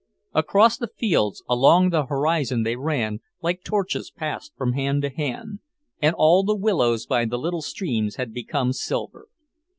Across the fields, along the horizon they ran, like torches passed from hand to hand, and all the willows by the little streams had become silver.